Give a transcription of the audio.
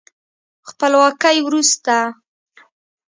خپلواکۍ وروسته